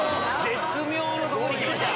絶妙なとこにいきました。